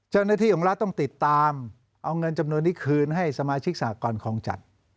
เจ้าหน้าที่ของรัฐต้องติดตามเอาเงินจำนวนนี้คืนให้สมาชิกสหกรคลองจัด